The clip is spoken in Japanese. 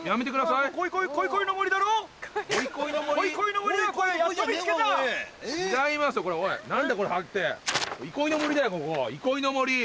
「いこいの森」だよ